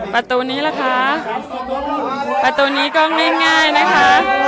ประตูนี้ล่ะคะประตูนี้ก็ง่ายนะคะ